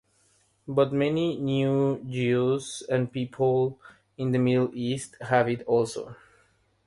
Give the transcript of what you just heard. But many non-Jews and people in the Middle East have it also.